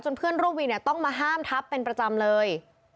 เพื่อนร่วมวินเนี่ยต้องมาห้ามทับเป็นประจำเลย